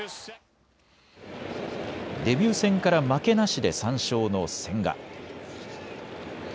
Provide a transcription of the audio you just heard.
デビュー戦から負けなしで３勝の千賀。